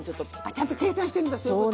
ちゃんと計算してるんだそういうこと。